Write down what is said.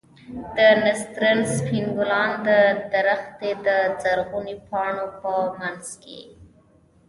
د نسترن سپين ګلان د درختې د زرغونو پاڼو په منځ کښې.